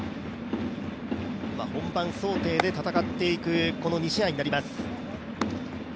本番想定で戦っていくこの２試合になります。